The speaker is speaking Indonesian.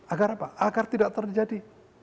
agar apa agar tidak terjadi